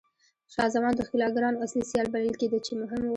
شاه زمان د ښکېلاګرانو اصلي سیال بلل کېده چې مهم و.